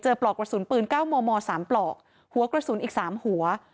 ปลอกกระสุนปืน๙มม๓ปลอกหัวกระสุนอีก๓หัว